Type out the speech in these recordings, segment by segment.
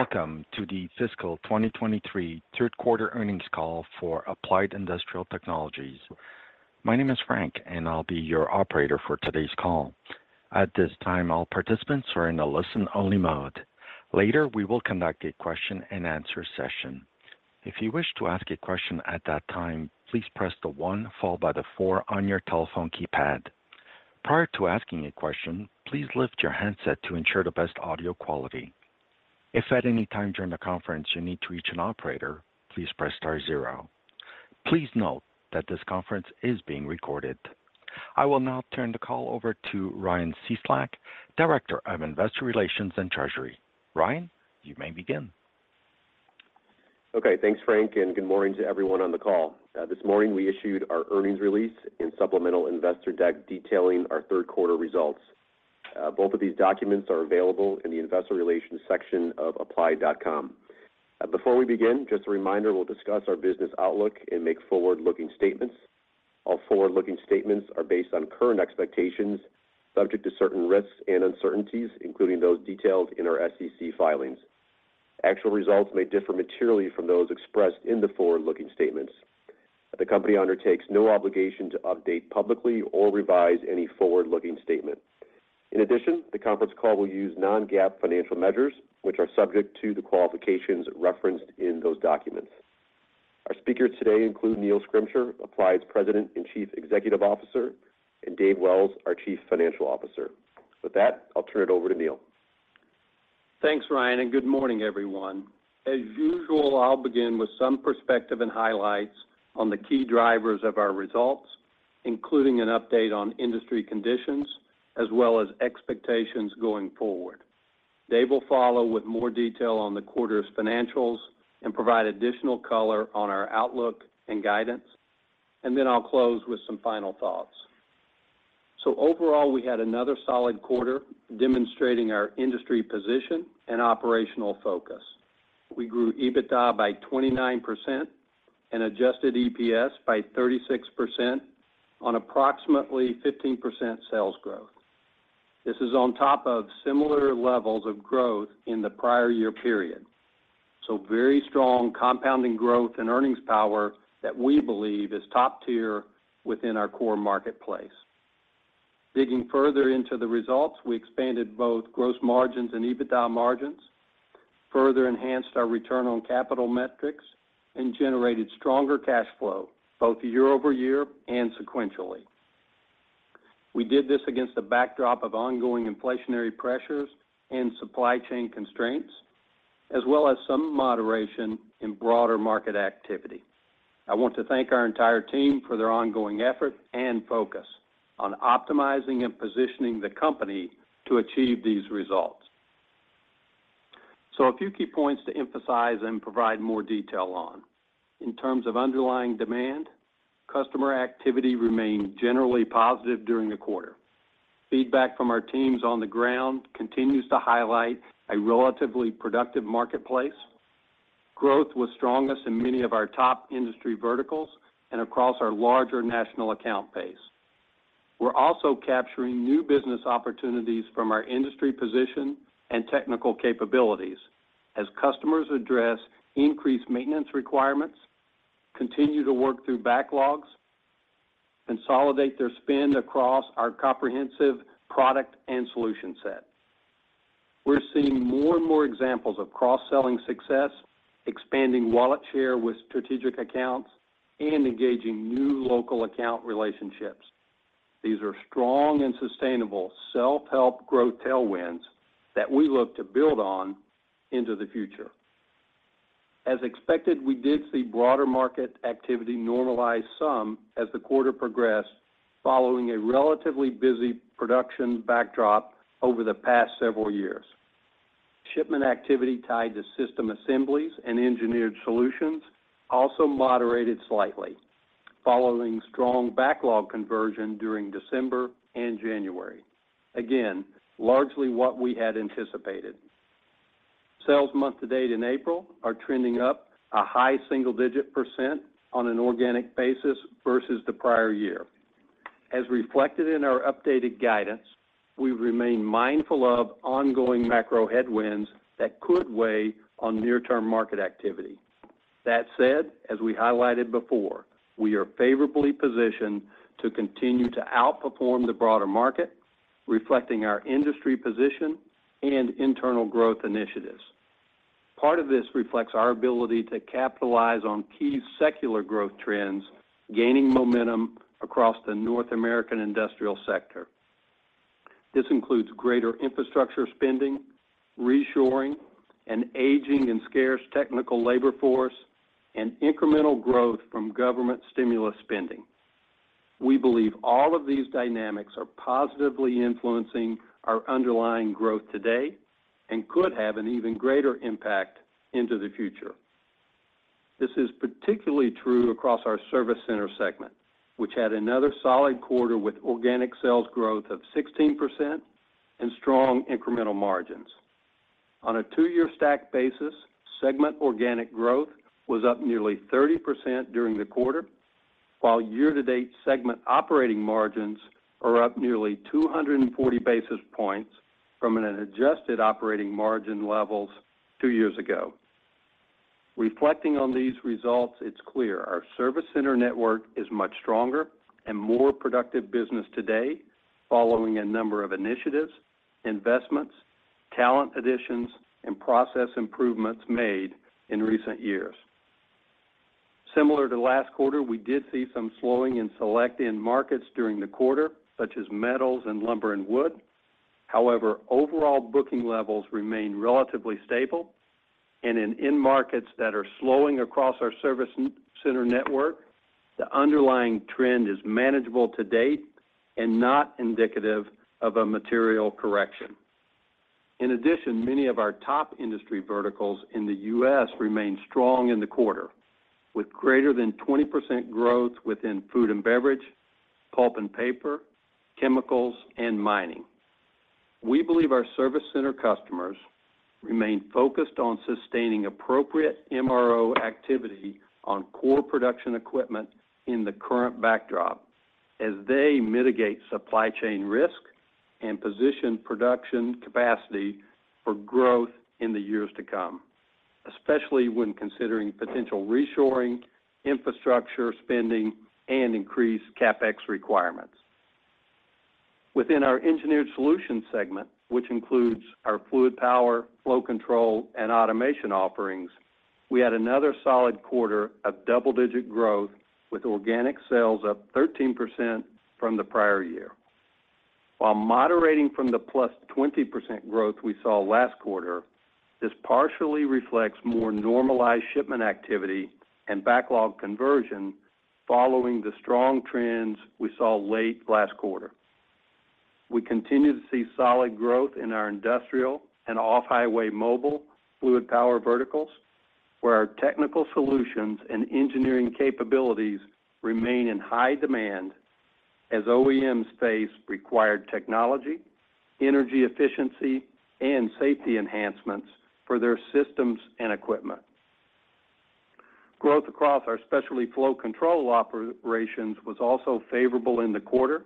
Welcome to the fiscal 2023 third quarter earnings call for Applied Industrial Technologies. My name is Frank, and I'll be your operator for today's call. At this time, all participants are in a listen-only mode. Later, we will conduct a Q&A session. If you wish to ask a question at that time, please press the one followed by the four on your telephone keypad. Prior to asking a question, please lift your handset to ensure the best audio quality. If at any time during the conference you need to reach an operator, please press star zero. Please note that this conference is being recorded. I will now turn the call over to Ryan Cieslak, Director of Investor Relations and Treasury. Ryan, you may begin. Okay. Thanks, Frank. Good morning to everyone on the call. This morning we issued our earnings release and supplemental investor deck detailing our Q3 results. Both of these documents are available in the investor relations section of applied.com. Before we begin, just a reminder, we'll discuss our business outlook and make forward-looking statements. All forward-looking statements are based on current expectations, subject to certain risks and uncertainties, including those detailed in our SEC filings. Actual results may differ materially from those expressed in the forward-looking statements. The company undertakes no obligation to update publicly or revise any forward-looking statement. The conference call will use non-GAAP financial measures, which are subject to the qualifications referenced in those documents. Our speakers today include Neil Schrimsher, Applied's President and Chief Executive Officer, and Dave Wells, our Chief Financial Officer. With that, I'll turn it over to Neil. Thanks, Ryan, and good morning, everyone. As usual, I'll begin with some perspective and highlights on the key drivers of our results, including an update on industry conditions as well as expectations going forward. Dave will follow with more detail on the quarter's financials and provide additional color on our outlook and guidance. I'll close with some final thoughts. Overall, we had another solid quarter demonstrating our industry position and operational focus. We grew EBITDA by 29% and adjusted EPS by 36% on approximately 15% sales growth. This is on top of similar levels of growth in the prior year period, very strong compounding growth and earnings power that we believe is top tier within our core marketplace. Digging further into the results, we expanded both gross margins and EBITDA margins, further enhanced our return on capital metrics and generated stronger cash flow both year-over-year and sequentially. We did this against a backdrop of ongoing inflationary pressures and supply chain constraints, as well as some moderation in broader market activity. I want to thank our entire team for their ongoing effort and focus on optimizing and positioning the company to achieve these results. A few key points to emphasize and provide more detail on. In terms of underlying demand, customer activity remained generally positive during the quarter. Feedback from our teams on the ground continues to highlight a relatively productive marketplace. Growth was strongest in many of our top industry verticals and across our larger national account base. We're also capturing new business opportunities from our industry position and technical capabilities as customers address increased maintenance requirements, continue to work through backlogs, consolidate their spend across our comprehensive product and solution set. We're seeing more and more examples of cross-selling success, expanding wallet share with strategic accounts, and engaging new local account relationships. These are strong and sustainable self-help growth tailwinds that we look to build on into the future. As expected, we did see broader market activity normalize some as the quarter progressed, following a relatively busy production backdrop over the past several years. Shipment activity tied to system assemblies and engineered solutions also moderated slightly following strong backlog conversion during December and January. Again, largely what we had anticipated. Sales month to date in April are trending up a high single-digit % on an organic basis versus the prior year. As reflected in our updated guidance, we remain mindful of ongoing macro headwinds that could weigh on near-term market activity. That said, as we highlighted before, we are favorably positioned to continue to outperform the broader market, reflecting our industry position and internal growth initiatives. Part of this reflects our ability to capitalize on key secular growth trends gaining momentum across the North American industrial sector. This includes greater infrastructure spending, reshoring, an aging and scarce technical labor force, and incremental growth from government stimulus spending. We believe all of these dynamics are positively influencing our underlying growth today and could have an even greater impact into the future. This is particularly true across our Service Center segment, which had another solid quarter with organic sales growth of 16% and strong incremental margins. On a two-year stack basis, segment organic growth was up nearly 30% during the quarter. Year-to-date segment operating margins are up nearly 240 basis points from an adjusted operating margin levels two years ago. Reflecting on these results, it's clear our Service Center network is much stronger and more productive business today following a number of initiatives, investments, talent additions, and process improvements made in recent years. Similar to last quarter, we did see some slowing in select end markets during the quarter, such as metals and lumber and wood. Overall booking levels remain relatively stable. In end markets that are slowing across our Service Center network, the underlying trend is manageable to date and not indicative of a material correction. In addition, many of our top industry verticals in the U.S. remain strong in the quarter, with greater than 20% growth within food and beverage, pulp and paper, chemicals, and mining. We believe our Service Center customers remain focused on sustaining appropriate MRO activity on core production equipment in the current backdrop as they mitigate supply chain risk and position production capacity for growth in the years to come, especially when considering potential reshoring, infrastructure spending, and increased CapEx requirements. Within our Engineered Solutions segment, which includes our fluid power, flow control, and automation offerings, we had another solid quarter of double-digit growth with organic sales up 13% from the prior year. While moderating from the +20% growth we saw last quarter, this partially reflects more normalized shipment activity and backlog conversion following the strong trends we saw late last quarter. We continue to see solid growth in our industrial and off-highway mobile fluid power verticals, where our technical solutions and engineering capabilities remain in high demand as OEMs face required technology, energy efficiency, and safety enhancements for their systems and equipment. Growth across our specialty flow control operations was also favorable in the quarter,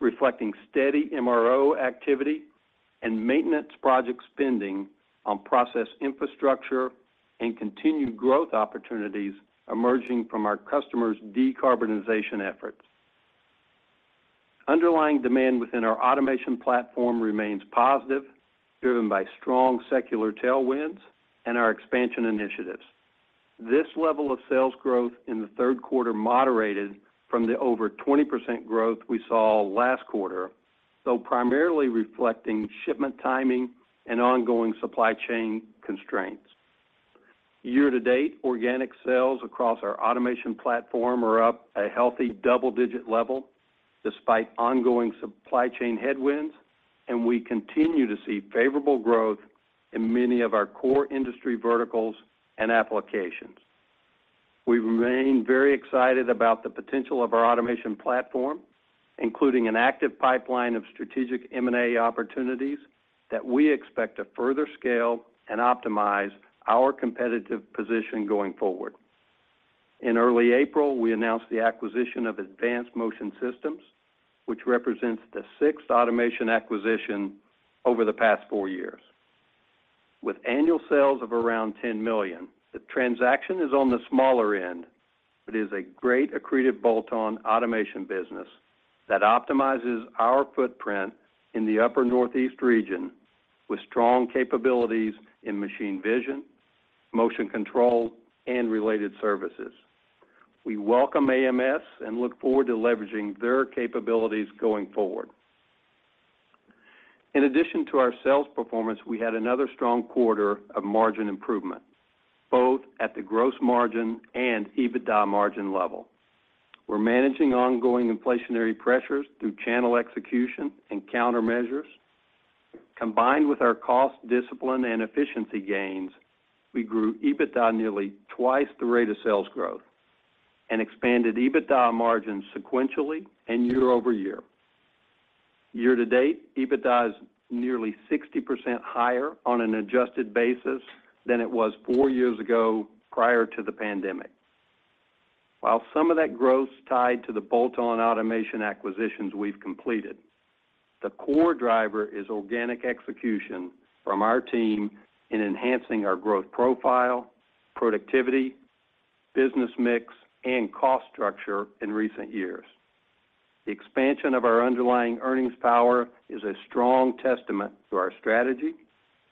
reflecting steady MRO activity and maintenance project spending on process infrastructure and continued growth opportunities emerging from our customers' decarbonization efforts. Underlying demand within our automation platform remains positive, driven by strong secular tailwinds and our expansion initiatives. This level of sales growth in the Q3 moderated from the over 20% growth we saw last quarter, though primarily reflecting shipment timing and ongoing supply chain constraints. Year-to-date, organic sales across our automation platform are up a healthy double-digit level despite ongoing supply chain headwinds. We continue to see favorable growth in many of our core industry verticals and applications. We remain very excited about the potential of our automation platform, including an active pipeline of strategic M&A opportunities that we expect to further scale and optimize our competitive position going forward. In early April, we announced the acquisition of Advanced Motion Systems, which represents the sixth automation acquisition over the past four years. With annual sales of around $10 million, the transaction is on the smaller end, but is a great accretive bolt-on automation business that optimizes our footprint in the upper Northeast region with strong capabilities in machine vision, motion control, and related services. We welcome AMS and look forward to leveraging their capabilities going forward. In addition to our sales performance, we had another strong quarter of margin improvement, both at the gross margin and EBITDA margin level. We're managing ongoing inflationary pressures through channel execution and countermeasures. Combined with our cost discipline and efficiency gains, we grew EBITDA nearly twice the rate of sales growth and expanded EBITDA margins sequentially and year-over-year. Year-to-date, EBITDA is nearly 60% higher on an adjusted basis than it was four years ago prior to the pandemic. While some of that growth is tied to the bolt-on automation acquisitions we've completed, the core driver is organic execution from our team in enhancing our growth profile, productivity, business mix, and cost structure in recent years. The expansion of our underlying earnings power is a strong testament to our strategy,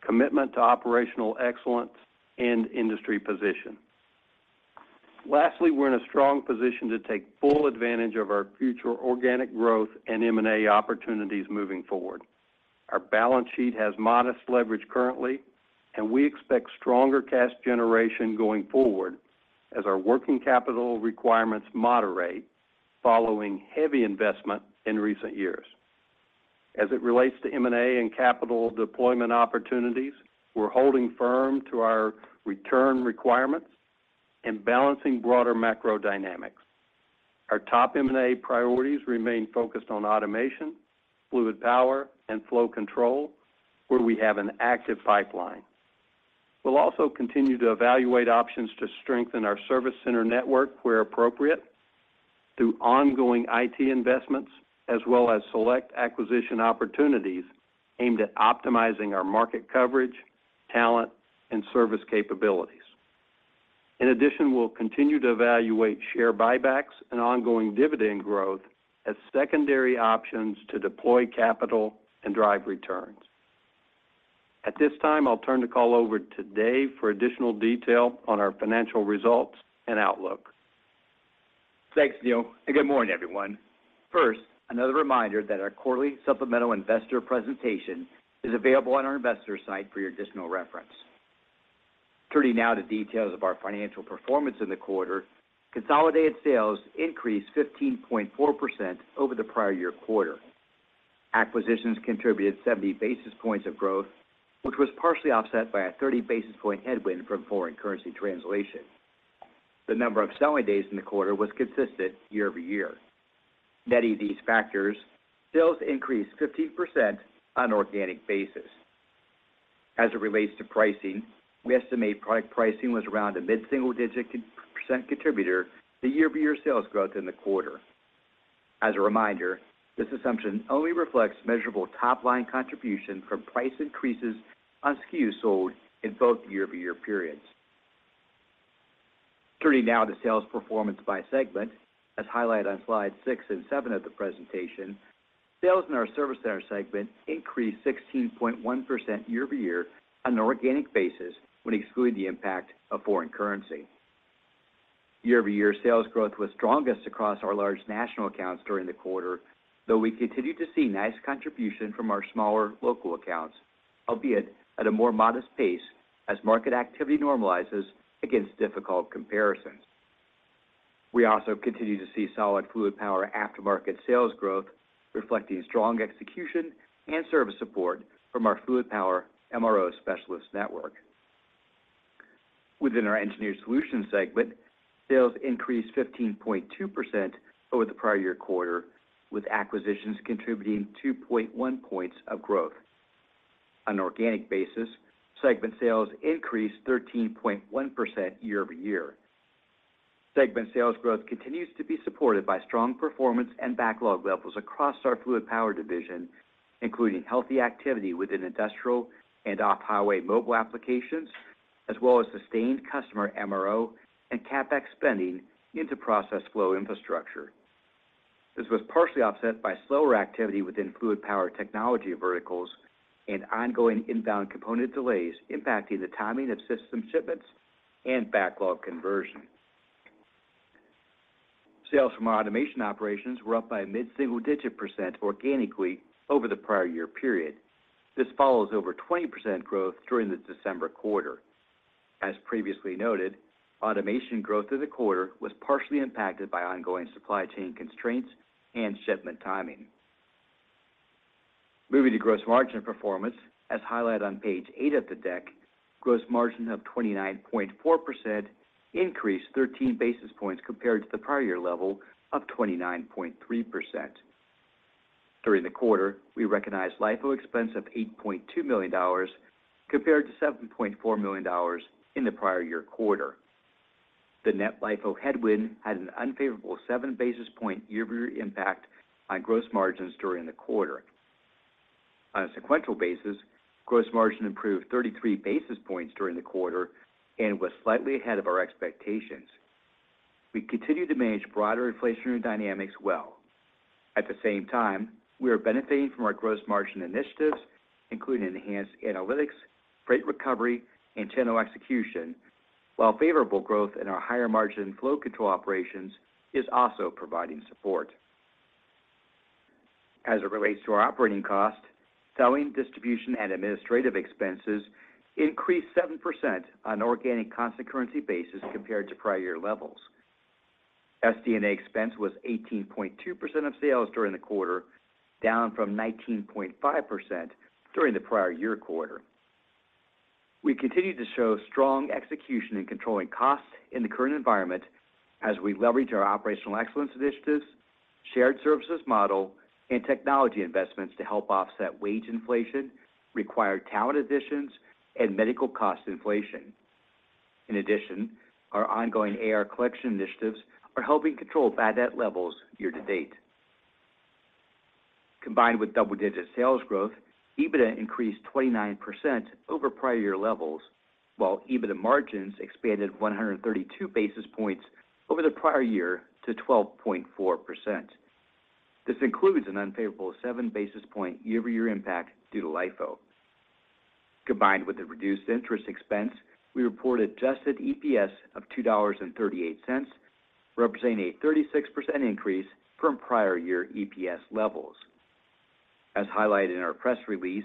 commitment to operational excellence, and industry position. Lastly, we're in a strong position to take full advantage of our future organic growth and M&A opportunities moving forward. Our balance sheet has modest leverage currently, and we expect stronger cash generation going forward as our working capital requirements moderate following heavy investment in recent years. As it relates to M&A and capital deployment opportunities, we're holding firm to our return requirements and balancing broader macro dynamics. Our top M&A priorities remain focused on automation, fluid power, and flow control, where we have an active pipeline. We'll also continue to evaluate options to strengthen our service center network where appropriate through ongoing IT investments as well as select acquisition opportunities aimed at optimizing our market coverage, talent, and service capabilities. In addition, we'll continue to evaluate share buybacks and ongoing dividend growth as secondary options to deploy capital and drive returns. At this time, I'll turn the call over to Dave for additional detail on our financial results and outlook. Thanks, Neil. Good morning, everyone. First, another reminder that our quarterly supplemental investor presentation is available on our investor site for your additional reference. Turning now to details of our financial performance in the quarter, consolidated sales increased 15.4% over the prior year quarter. Acquisitions contributed 70 basis points of growth, which was partially offset by a 30 basis point headwind from foreign currency translation. The number of selling days in the quarter was consistent year-over-year. Netting these factors, sales increased 15% on an organic basis. As it relates to pricing, we estimate product pricing was around a mid-single-digit % contributor to year-over-year sales growth in the quarter. As a reminder, this assumption only reflects measurable top-line contribution from price increases on SKUs sold in both year-over-year periods. Turning now to sales performance by segment. As highlighted on slides six and seven of the presentation, sales in our Service Center segment increased 16.1% year-over-year on an organic basis when excluding the impact of foreign currency. Year-over-year sales growth was strongest across our large national accounts during the quarter, though we continued to see nice contribution from our smaller local accounts, albeit at a more modest pace as market activity normalizes against difficult comparisons. We also continued to see solid fluid power aftermarket sales growth reflecting strong execution and service support from our fluid power MRO specialist network. Within our Engineered Solutions segment, sales increased 15.2% over the prior year quarter, with acquisitions contributing 2.1 points of growth. On an organic basis, segment sales increased 13.1% year-over-year. Segment sales growth continues to be supported by strong performance and backlog levels across our fluid power division, including healthy activity within industrial and off-highway mobile applications, as well as sustained customer MRO and CapEx spending into process flow infrastructure. This was partially offset by slower activity within fluid power technology verticals and ongoing inbound component delays impacting the timing of system shipments and backlog conversion. Sales from our automation operations were up by a mid-single-digit % organically over the prior year period. This follows over 20% growth during the December quarter. As previously noted, automation growth through the quarter was partially impacted by ongoing supply chain constraints and shipment timing. Moving to gross margin performance. As highlighted on page eight of the deck, gross margin of 29.4% increased 13 basis points compared to the prior year level of 29.3%. During the quarter, we recognized LIFO expense of $8.2 million compared to $7.4 million in the prior year quarter. The net LIFO headwind had an unfavorable 7 basis point year-over-year impact on gross margins during the quarter. On a sequential basis, gross margin improved 33 basis points during the quarter and was slightly ahead of our expectations. We continue to manage broader inflationary dynamics well. At the same time, we are benefiting from our gross margin initiatives, including enhanced analytics, freight recovery, and channel execution, while favorable growth in our higher-margin flow control operations is also providing support. As it relates to our operating cost, selling, distribution, and administrative expenses increased 7% on an organic constant currency basis compared to prior year levels. SD&A expense was 18.2% of sales during the quarter, down from 19.5% during the prior-year quarter. We continue to show strong execution in controlling costs in the current environment as we leverage our operational excellence initiatives, shared services model, and technology investments to help offset wage inflation, required talent additions, and medical cost inflation. Our ongoing AR collection initiatives are helping control bad debt levels year-to-date. Combined with double-digit sales growth, EBITDA increased 29% over prior-year levels, while EBITDA margins expanded 132 basis points over the prior-year to 12.4%. This includes an unfavorable 7 basis point year-over-year impact due to LIFO. Combined with the reduced interest expense, we reported adjusted EPS of $2.38, representing a 36% increase from prior-year EPS levels. As highlighted in our press release,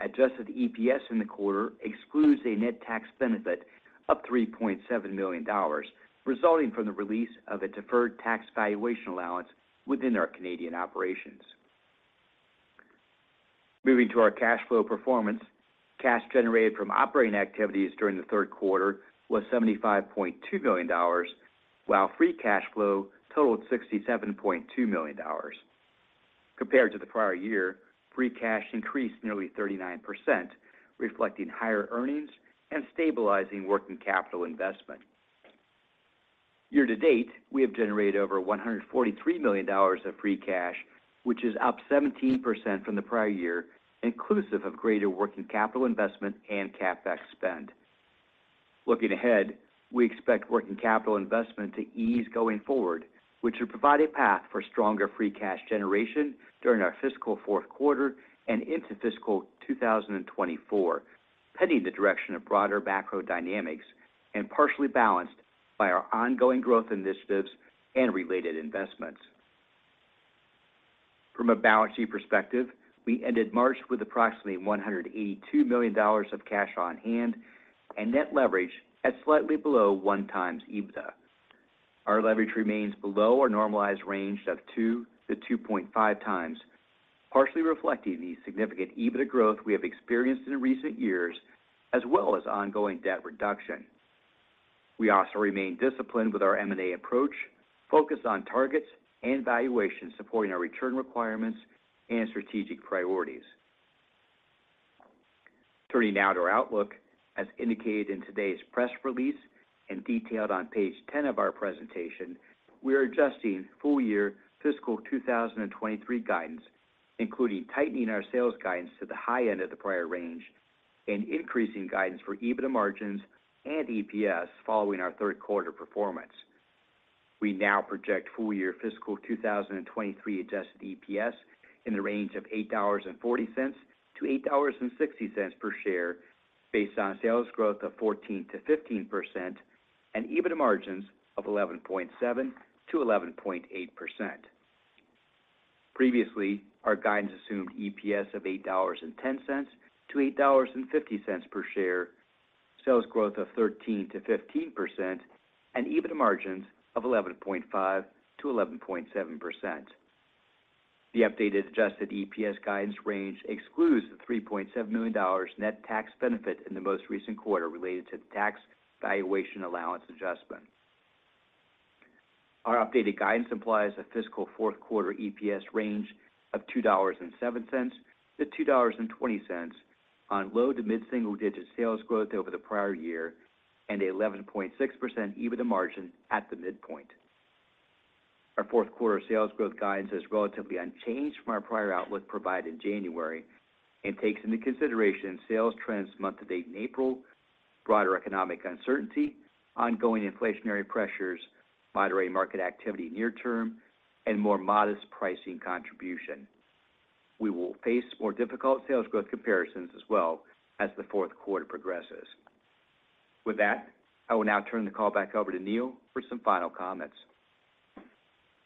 adjusted EPS in the quarter excludes a net tax benefit of $3.7 million resulting from the release of a deferred tax valuation allowance within our Canadian operations. Moving to our cash flow performance, cash generated from operating activities during the Q3 was $75.2 million, while free cash flow totaled $67.2 million. Compared to the prior year, free cash increased nearly 39%, reflecting higher earnings and stabilizing working capital investment. Year-to-date, we have generated over $143 million of free cash, which is up 17% from the prior year, inclusive of greater working capital investment and CapEx spend. Looking ahead, we expect working capital investment to ease going forward, which will provide a path for stronger free cash generation during our fiscal Q4 and into fiscal 2024, heading the direction of broader macro dynamics and partially balanced by our ongoing growth initiatives and related investments. From a balance sheet perspective, we ended March with approximately $182 million of cash on hand and net leverage at slightly below 1x EBITDA. Our leverage remains below our normalized range of 2x-2.5x, partially reflecting the significant EBITDA growth we have experienced in recent years, as well as ongoing debt reduction. We also remain disciplined with our M&A approach, focused on targets and valuations supporting our return requirements and strategic priorities. Turning now to our outlook. As indicated in today's press release and detailed on page 10 of our presentation, we are adjusting full year fiscal 2023 guidance, including tightening our sales guidance to the high end of the prior range and increasing guidance for EBITDA margins and EPS following our Q3 performance. We now project full year fiscal 2023 adjusted EPS in the range of $8.40- $8.60 per share based on sales growth of 14%-15% and EBITDA margins of 11.7%-11.8%. Previously, our guidance assumed EPS of $8.10-$8.50 per share, sales growth of 13%-15%, and EBITDA margins of 11.5%-11.7%. The updated adjusted EPS guidance range excludes the $3.7 million net tax benefit in the most recent quarter related to the tax valuation allowance adjustment. Our updated guidance implies a fiscal Q4 EPS range of $2.07-$2.20 on low to mid-single digit sales growth over the prior year and 11.6% EBITDA margin at the midpoint. Our Q4 sales growth guidance is relatively unchanged from our prior outlook provided in January and takes into consideration sales trends month to date in April, broader economic uncertainty, ongoing inflationary pressures, moderating market activity near term, and more modest pricing contribution. We will face more difficult sales growth comparisons as well as the Q4 progresses. With that, I will now turn the call back over to Neil for some final comments.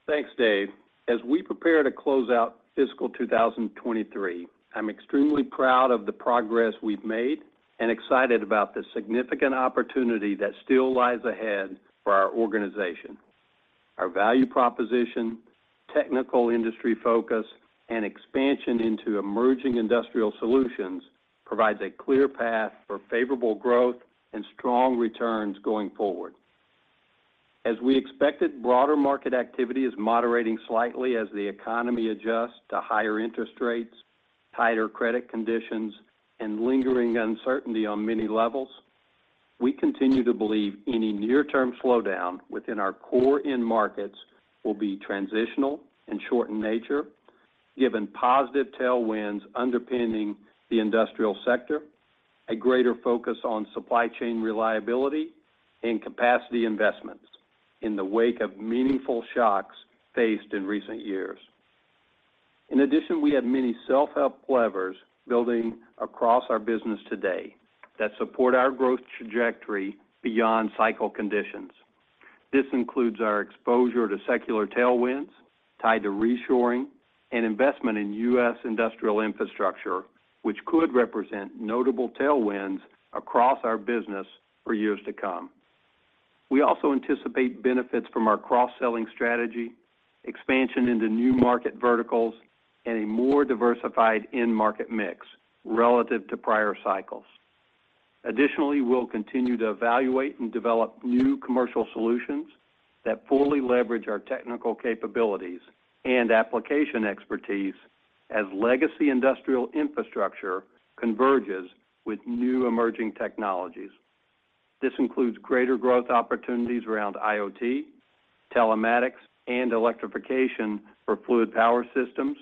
Thanks, Dave. As we prepare to close out fiscal 2023, I'm extremely proud of the progress we've made and excited about the significant opportunity that still lies ahead for our organization. Our value proposition, technical industry focus, and expansion into emerging industrial solutions provides a clear path for favorable growth and strong returns going forward. As we expected, broader market activity is moderating slightly as the economy adjusts to higher interest rates, tighter credit conditions, and lingering uncertainty on many levels. We continue to believe any near-term slowdown within our core end markets will be transitional and short in nature, given positive tailwinds underpinning the industrial sector, a greater focus on supply chain reliability, and capacity investments in the wake of meaningful shocks faced in recent years. In addition, we have many self-help levers building across our business today that support our growth trajectory beyond cycle conditions. This includes our exposure to secular tailwinds tied to reshoring and investment in U.S. industrial infrastructure, which could represent notable tailwinds across our business for years to come. We also anticipate benefits from our cross-selling strategy, expansion into new market verticals, and a more diversified end market mix relative to prior cycles. We'll continue to evaluate and develop new commercial solutions that fully leverage our technical capabilities and application expertise as legacy industrial infrastructure converges with new emerging technologies. This includes greater growth opportunities around IoT, telematics, and electrification for fluid power systems,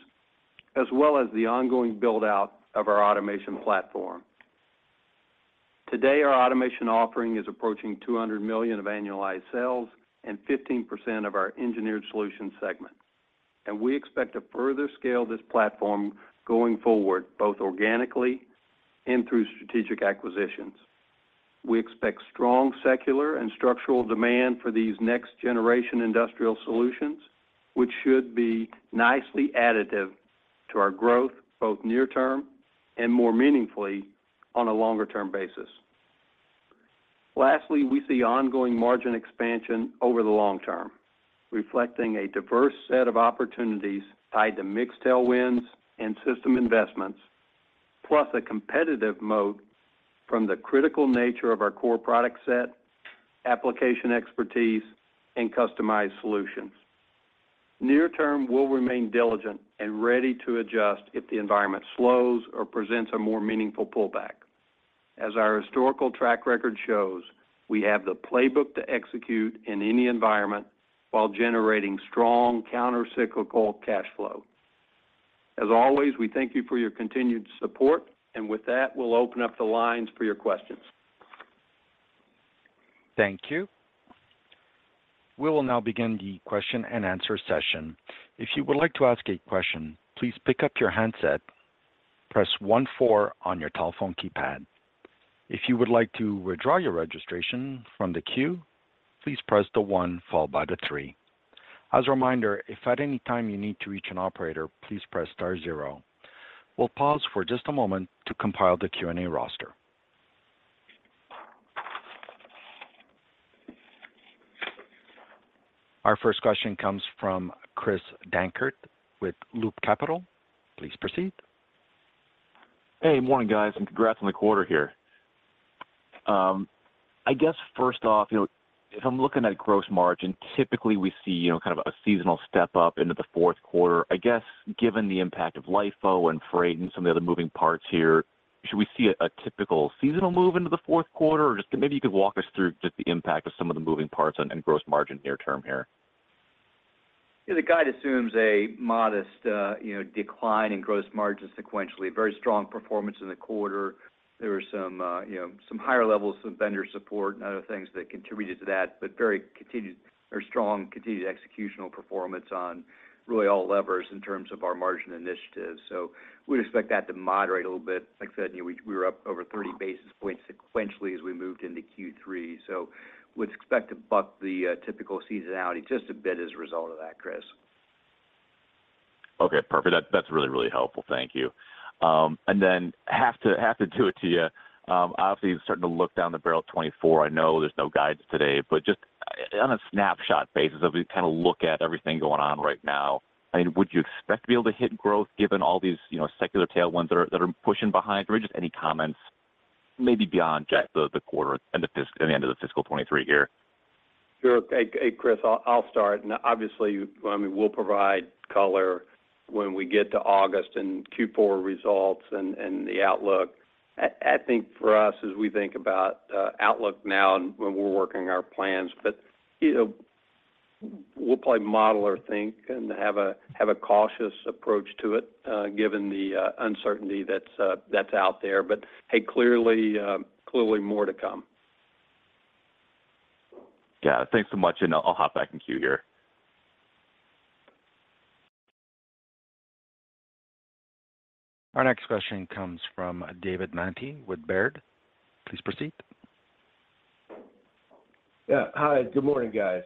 as well as the ongoing build-out of our automation platform. Today, our automation offering is approaching $200 million of annualized sales and 15% of our Engineered Solutions segment. We expect to further scale this platform going forward, both organically and through strategic acquisitions. We expect strong secular and structural demand for these next-generation industrial solutions, which should be nicely additive to our growth, both near term and more meaningfully on a longer-term basis. Lastly, we see ongoing margin expansion over the long term, reflecting a diverse set of opportunities tied to mix tailwinds and system investments. Plus a competitive moat from the critical nature of our core product set, application expertise, and customized solutions. Near term, we'll remain diligent and ready to adjust if the environment slows or presents a more meaningful pullback. As our historical track record shows, we have the playbook to execute in any environment while generating strong countercyclical cash flow. As always, we thank you for your continued support. With that, we'll open up the lines for your questions. Thank you. We will now begin the Q&A session. If you would like to ask a question, please pick up your handset, press one four on your telephone keypad. If you would like to withdraw your registration from the queue, please press the one followed by the three. As a reminder, if at any time you need to reach an operator, please press star zero. We'll pause for just a moment to compile the Q&A roster. Our first question comes from Chris Dankert with Loop Capital. Please proceed. Hey, morning, guys, congrats on the quarter here. I guess first off, you know, if I'm looking at gross margin, typically we see, you know, kind of a seasonal step up into the Q4. I guess, given the impact of LIFO and freight and some of the other moving parts here, should we see a typical seasonal move into the Q4? Or just maybe you could walk us through just the impact of some of the moving parts and gross margin near term here. Yeah. The guide assumes a modest, you know, decline in gross margin sequentially. Very strong performance in the quarter. There were some, you know, some higher levels of vendor support and other things that contributed to that, strong continued executional performance on really all levers in terms of our margin initiatives. We'd expect that to moderate a little bit. Like I said, you know, we were up over 30 basis points sequentially as we moved into Q3. Would expect to buck the typical seasonality just a bit as a result of that, Chris. Okay. Perfect. That's really, really helpful. Thank you. Then have to do it to you. Obviously starting to look down the barrel of 2024. I know there's no guides today, just on a snapshot basis, as we kind of look at everything going on right now, I mean, would you expect to be able to hit growth given all these, you know, secular tailwinds that are pushing behind? Just any comments maybe beyond just the quarter and the end of the fiscal 2023 here? Sure. Hey, hey, Chris, I'll start. Obviously, I mean, we'll provide color when we get to August 2024 and Q4 results and the outlook. I think for us, as we think about outlook now and when we're working our plans, you know, we'll play model or think and have a cautious approach to it, given the uncertainty that's out there. Hey, clearly more to come. Yeah. Thanks so much, and I'll hop back in queue here. Our next question comes from David Manthey with Baird. Please proceed. Yeah. Hi. Good morning, guys.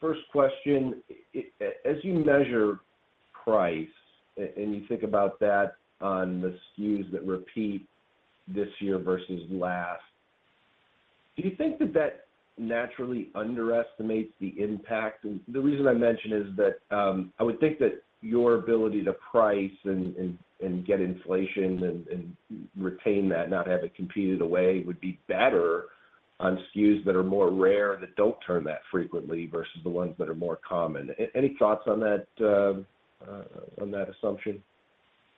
First question, as you measure price and you think about that on the SKUs that repeat this year versus last, do you think that that naturally underestimates the impact? The reason I mention is that, I would think that your ability to price and get inflation and retain that, not have it competed away, would be better on SKUs that are more rare and that don't turn that frequently versus the ones that are more common. Any thoughts on that on that assumption?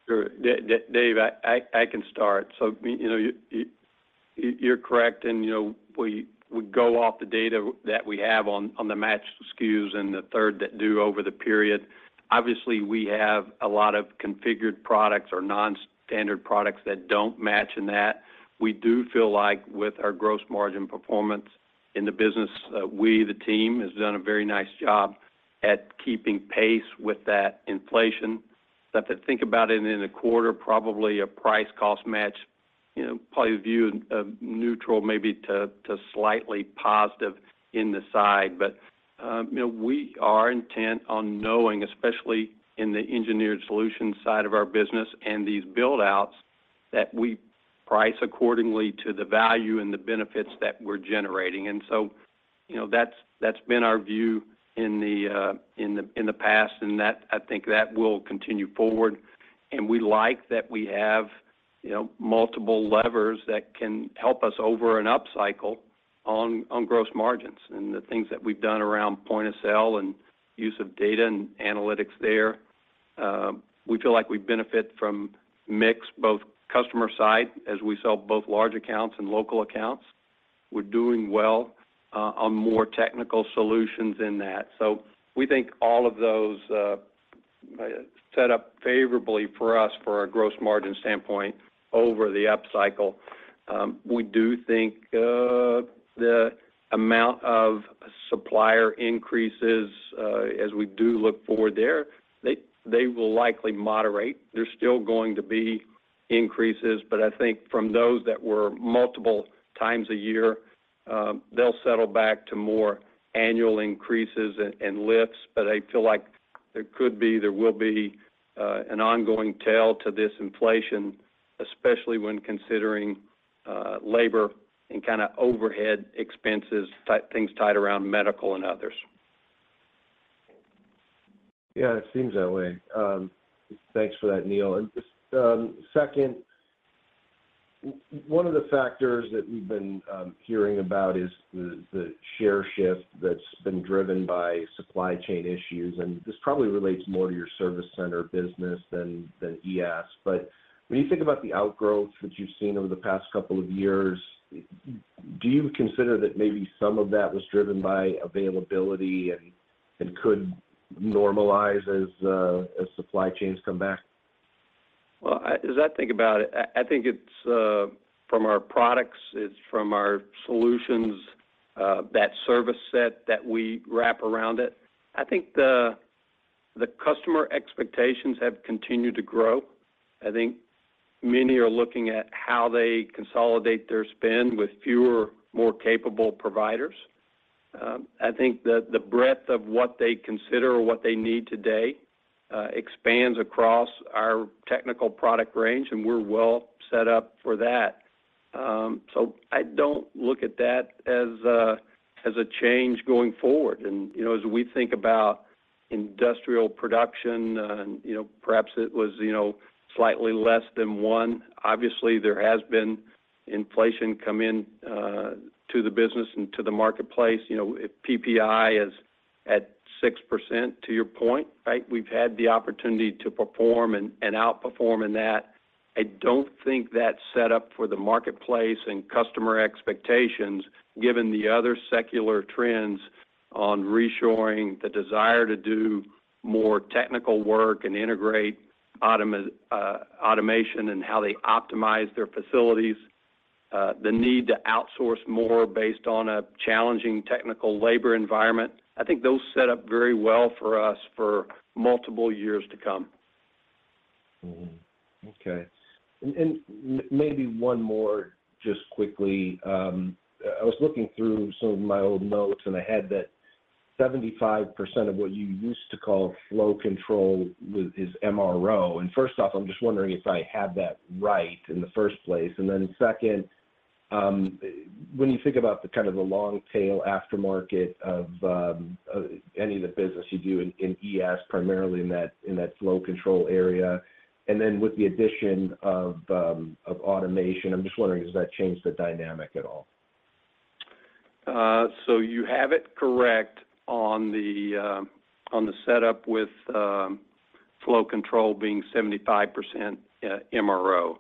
Sure. Dave, I can start. you know, you're correct and, you know, we would go off the data that we have on the matched SKUs and the third that due over the period. Obviously, we have a lot of configured products or non-standard products that don't match in that. We do feel like with our gross margin performance in the business, we, the team, has done a very nice job at keeping pace with that inflation. You have to think about it in a quarter, probably a price cost match, you know, probably view, neutral maybe to slightly positive in the side. you know, we are intent on knowing, especially in the engineered solution side of our business and these buildouts, that we price accordingly to the value and the benefits that we're generating. You know, that's been our view in the in the past. I think that will continue forward. We like that we have, you know, multiple levers that can help us over an upcycle on gross margins. The things that we've done around point of sale and use of data and analytics there, we feel like we benefit from mix, both customer side as we sell both large accounts and local accounts. We're doing well on more technical solutions in that. We think all of those set up favorably for us for a gross margin standpoint over the upcycle. We do think the amount of supplier increases as we do look forward there, they will likely moderate. There's still going to be increases, but I think from those that were multiple times a year, they'll settle back to more annual increases and lifts. I feel like there could be, there will be an ongoing tail to this inflation, especially when considering labor and kind of overhead expenses, things tied around medical and others. Yeah, it seems that way. Thanks for that, Neil. Just, second, one of the factors that we've been hearing about is the share shift that's been driven by supply chain issues, and this probably relates more to your service center business than ES. When you think about the outgrowth that you've seen over the past couple of years, do you consider that maybe some of that was driven by availability and could normalize as supply chains come back? Well, as I think about it, I think it's from our products, it's from our solutions, that service set that we wrap around it. I think the customer expectations have continued to grow. I think many are looking at how they consolidate their spend with fewer, more capable providers. I think the breadth of what they consider or what they need today, expands across our technical product range, and we're well set up for that. I don't look at that as a change going forward. You know, as we think about industrial production, and, you know, perhaps it was, you know, slightly less than one, obviously there has been inflation come in, to the business and to the marketplace. You know, if PPI is at 6%, to your point, right? We've had the opportunity to perform and outperform in that. I don't think that's set up for the marketplace and customer expectations, given the other secular trends on reshoring, the desire to do more technical work and integrate automation and how they optimize their facilities, the need to outsource more based on a challenging technical labor environment. I think those set up very well for us for multiple years to come. Okay. Maybe one more just quickly. I was looking through some of my old notes, and I had that 75% of what you used to call flow control is MRO. First off, I'm just wondering if I have that right in the first place. Then second, when you think about the kind of the long tail aftermarket of any of the business you do in ES, primarily in that, in that flow control area, and then with the addition of automation, I'm just wondering does that change the dynamic at all? You have it correct on the setup with flow control being 75% MRO.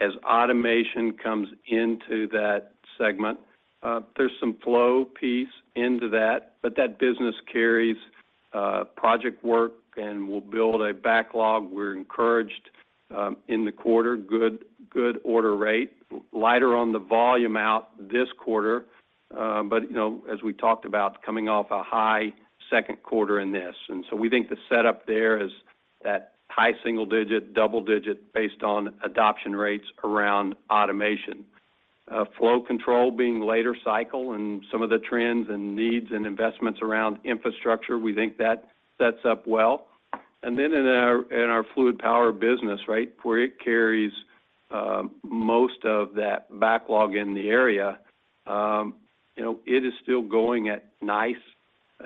As automation comes into that segment, there's some flow piece into that, but that business carries project work, and we'll build a backlog. We're encouraged in the quarter, good order rate. Lighter on the volume out this quarter, but you know, as we talked about coming off a high Q2 in this. We think the setup there is that high single digit, double digit based on adoption rates around automation. Flow control being later cycle and some of the trends and needs and investments around infrastructure, we think that sets up well. In our fluid power business, right, where it carries, most of that backlog in the area, you know, it is still going at nice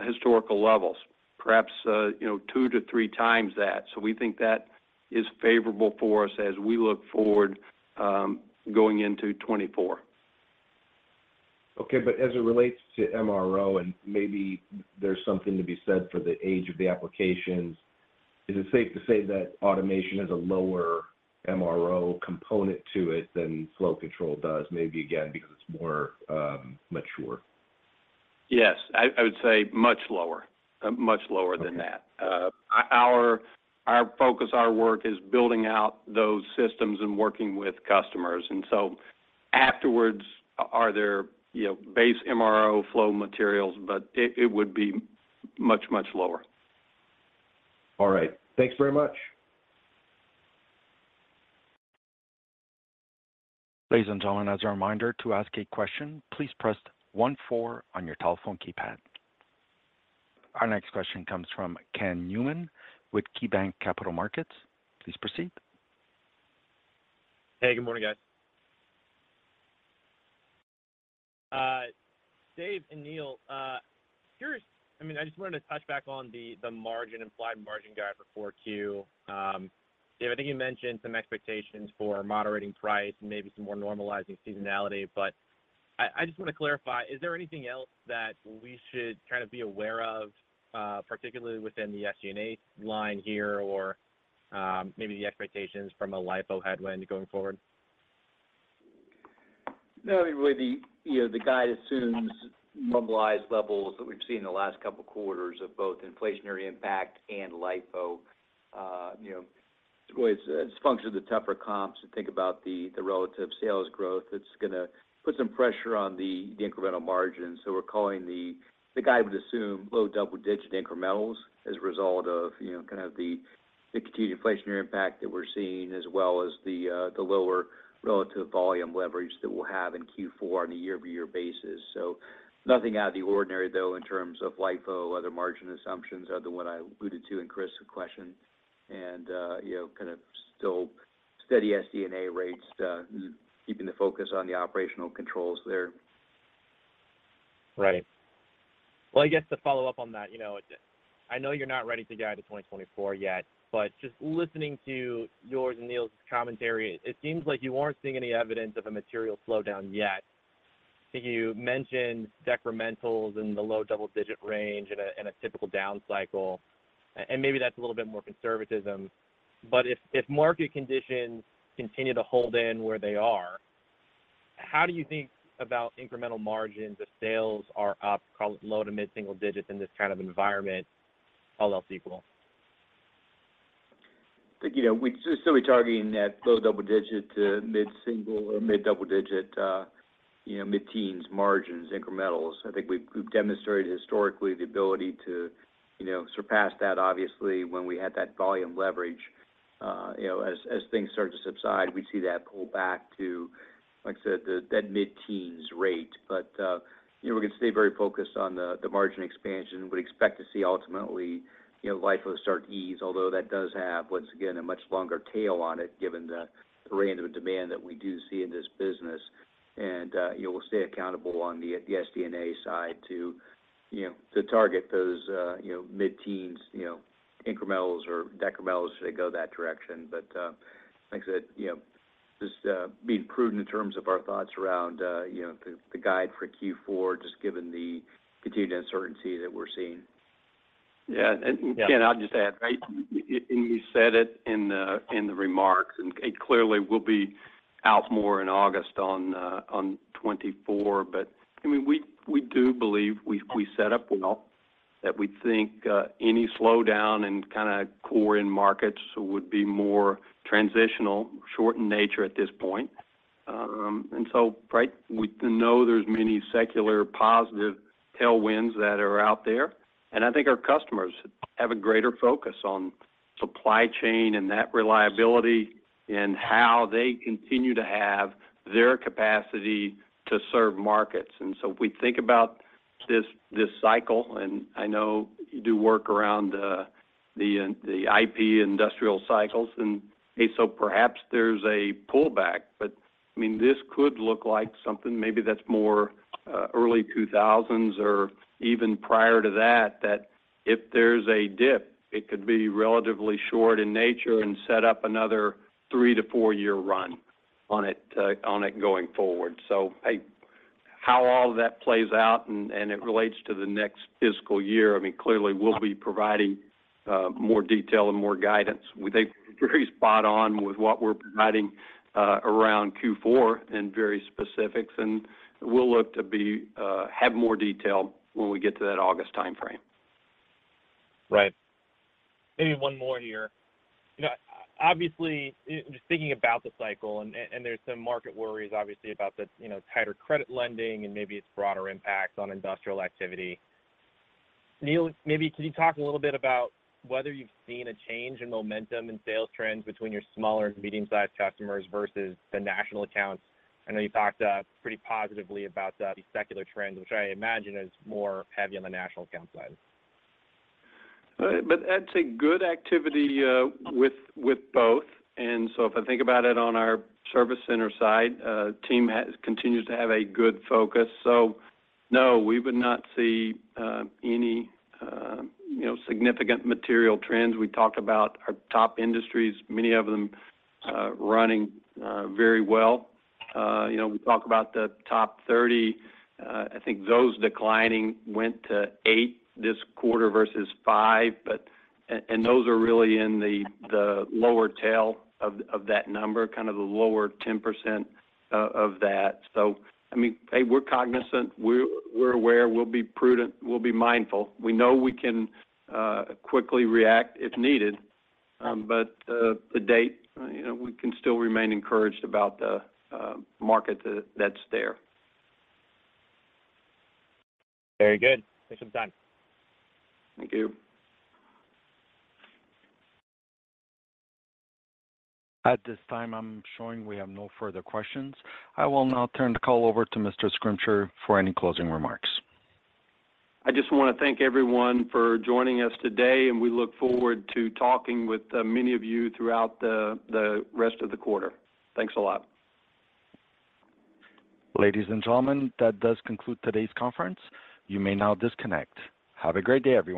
historical levels, perhaps, you know, two to three times that. We think that is favorable for us as we look forward, going into 2024. Okay. As it relates to MRO, and maybe there's something to be said for the age of the applications, is it safe to say that automation has a lower MRO component to it than flow control does? Maybe again, because it's more mature? Yes. I would say much lower than that. Okay. Our focus, our work is building out those systems and working with customers. Afterwards are there, you know, base MRO flow materials, but it would be much, much lower. All right. Thanks very much. Ladies and gentlemen, as a reminder, to ask a question, please press one four on your telephone keypad. Our next question comes from Ken Newman with KeyBanc Capital Markets. Please proceed. Hey, good morning, guys. Dave and Neil, curious. I mean, I just wanted to touch back on the margin, implied margin guide for Q4. Dave, I think you mentioned some expectations for moderating price and maybe some more normalizing seasonality. I just wanna clarify, is there anything else that we should kind of be aware of, particularly within the SG&A line here or, maybe the expectations from a LIFO headwind going forward? No, I mean, really the, you know, the guide assumes mobilized levels that we've seen in the last couple quarters of both inflationary impact and LIFO. you know, it's really, it's a function of the tougher comps to think about the relative sales growth that's gonna put some pressure on the incremental margins. The guide would assume low double-digit incrementals as a result of, you know, kind of the continued inflationary impact that we're seeing, as well as the lower relative volume leverage that we'll have in Q4 on a year-over-year basis. Nothing out of the ordinary though, in terms of LIFO, other margin assumptions other than what I alluded to in Chris' question. you know, kind of still. Steady SD&A rates, keeping the focus on the operational controls there. Right. Well, I guess to follow up on that, you know, I know you're not ready to guide to 2024 yet, but just listening to yours and Neil's commentary, it seems like you aren't seeing any evidence of a material slowdown yet. I think you mentioned decrementals in the low double-digit range in a typical down cycle, and maybe that's a little bit more conservatism. If market conditions continue to hold in where they are, how do you think about incremental margins if sales are up low to mid-single digits in this kind of environment, all else equal? I think, you know, we'd still be targeting that low double-digit to mid-single-digit or mid-double-digit, you know, mid-teens margins incrementals. I think we've demonstrated historically the ability to, you know, surpass that obviously when we had that volume leverage. You know, as things start to subside, we see that pull back to, like I said, that mid-teens rate. You know, we're gonna stay very focused on the margin expansion. Would expect to see ultimately, you know, LIFO start to ease, although that does have, once again, a much longer tail on it given the random demand that we do see in this business. You know, we'll stay accountable on the SDNA side to, you know, to target those, you know, mid-teens, you know, incrementals or decrementals should they go that direction. Like I said, you know, just being prudent in terms of our thoughts around, you know, the guide for Q4, just given the continued uncertainty that we're seeing. Yeah. Ken, I'll just add, right, and you said it in the remarks, and it clearly will be out more in August 2024. We do believe we set up well, that we think any slowdown in kinda core end markets would be more transitional, short in nature at this point. We know there's many secular positive tailwinds that are out there, and I think our customers have a greater focus on supply chain and that reliability and how they continue to have their capacity to serve markets. We think about this cycle, and I know you do work around the IP industrial cycles, and so perhaps there's a pullback. I mean, this could look like something maybe that's more, early 2000s or even prior to that if there's a dip, it could be relatively short in nature and set up another three to four-year run on it, on it going forward. Hey, how all of that plays out and it relates to the next fiscal year, I mean, clearly we'll be providing more detail and more guidance. We think we're pretty spot on with what we're providing around Q4 and very specifics, and we'll look to have more detail when we get to that August timeframe. Right. Maybe one more here. You know, obviously, just thinking about the cycle and there's some market worries obviously about the, you know, tighter credit lending and maybe its broader impact on industrial activity. Neil, maybe could you talk a little bit about whether you've seen a change in momentum in sales trends between your smaller and medium-sized customers versus the national accounts? I know you've talked pretty positively about the secular trends, which I imagine is more heavy on the national account side. But I'd say good activity with both. If I think about it on our Service Center side, team continues to have a good focus. No, we would not see any, you know, significant material trends. We talked about our top industries, many of them running very well. You know, we talk about the top 30. I think those declining went to eight this quarter versus five, but and those are really in the lower tail of that number, kind of the lower 10% of that. I mean, hey, we're cognizant, we're aware, we'll be prudent, we'll be mindful. We know we can quickly react if needed, but to date, you know, we can still remain encouraged about the market that's there. Very good. Thanks for the time. Thank you. At this time, I'm showing we have no further questions. I will now turn the call over to Mr. Schrimsher for any closing remarks. I just wanna thank everyone for joining us today. We look forward to talking with many of you throughout the rest of the quarter. Thanks a lot. Ladies and gentlemen, that does conclude today's conference. You may now disconnect. Have a great day, everyone.